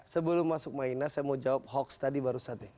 sebelum masuk ke inas saya mau jawab hoax tadi barusan deh